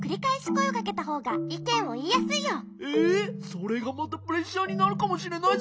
えそれがまたプレッシャーになるかもしれないぜ。